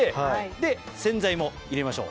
で洗剤も入れましょう。